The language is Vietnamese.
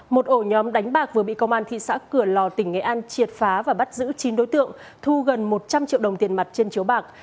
một ổ nhóm đánh bạc vừa bị công an thị xã cửa lò tỉnh nghệ an triệt phá và bắt giữ chín đối tượng thu gần một trăm linh triệu đồng tiền mặt trên chiếu bạc